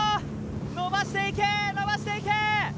伸ばしていけ伸ばしていけ。